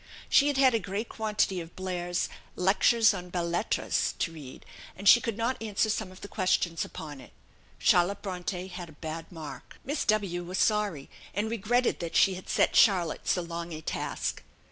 She had had a great quantity of Blair's "Lectures on Belles Lettres" to read; and she could not answer some of the questions upon it; Charlotte Bronte had a bad mark. Miss W was sorry, and regretted that she had set Charlotte so long a task.